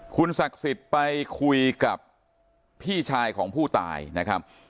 คุณศักดิ์สิทธิ์ไปคุยกับพี่ชายของผู้ตายนะครับ